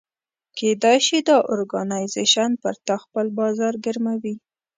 کېدای شي دا اورګنایزیش پر تا خپل بازار ګرموي.